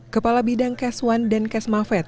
kepala bidang kes satu dan kesmafed